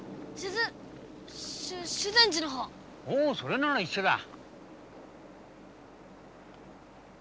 ほうそれなら一緒だ。